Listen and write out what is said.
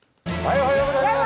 おはようございます。